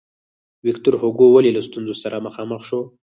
ویکتور هوګو ولې له ستونزو سره مخامخ شو.